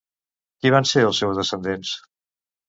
Qui van ser els seus descendents?